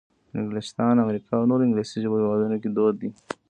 په انګلستان، امریکا او نورو انګلیسي ژبو هېوادونو کې دود دی.